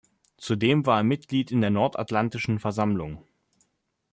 Zudem war er Mitglied in der Nordatlantischen Versammlung.